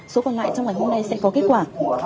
số còn lại trong ngày hôm nay sẽ có kết quả